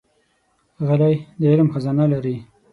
غلی، د علم خزانه لري.